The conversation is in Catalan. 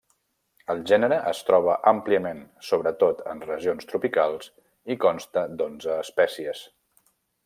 El gènere es troba àmpliament, sobretot en regions tropicals, i consta d'onze espècies.